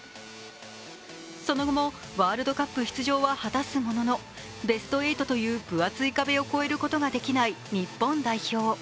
その後もワールドカップ出場は果たすもののベスト８という分厚い壁を超えることができない日本代表。